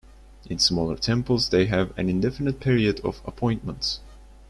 In smaller temples, they have an indefinite period of appointment.